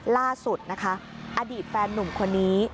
ล่าสุดนะคะอดีตแฟนนุ่มคนนี้